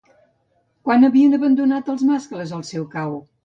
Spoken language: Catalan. Quan havien abandonat els mascles el seu cau?